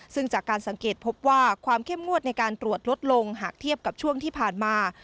ซึ่งจากการสังเกตพบว่าความเข้มงวดในการตรวจลดลงหากเทียบกับช่วงที่ผ่านมา